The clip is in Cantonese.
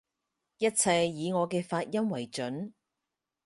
一切以我嘅發音爲準